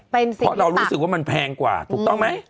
เป็นสิเพราะเรารู้สึกว่ามันแพงกว่าถูกต้องไหม